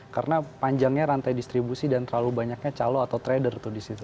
karena panjangnya rantai distribusi dan terlalu banyaknya calo atau trader disitu